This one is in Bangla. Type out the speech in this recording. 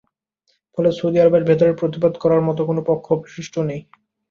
ফলে সৌদি আরবের ভেতরে প্রতিবাদ করার মতো কোনো পক্ষ অবশিষ্ট নেই।